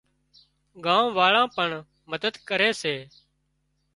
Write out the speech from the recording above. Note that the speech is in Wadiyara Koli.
ڳام واۯان پڻ مدد ڪري سي